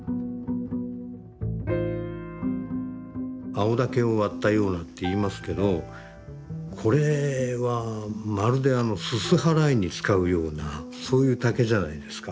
「青竹を割ったような」って言いますけどこれはまるであのすす払いに使うようなそういう竹じゃないですか。